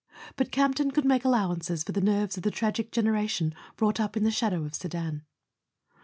But Campton could make allowances for the nerves of the tragic gen¬ eration brought up in the shadow of Sedan.